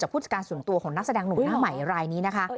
ผู้จัดการส่วนตัวของนักแสดงหนุ่มหน้าใหม่รายนี้นะคะ